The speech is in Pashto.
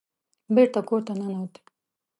بېرته کور ته ننوت.